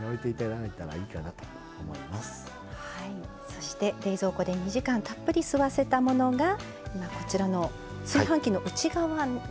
そして冷蔵庫で２時間たっぷり吸わせたものが今こちらの炊飯器の内釜に。